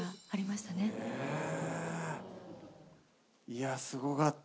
いやすごかった。